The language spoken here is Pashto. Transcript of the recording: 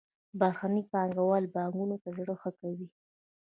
بهرني پانګوال پانګونې ته زړه ښه کوي.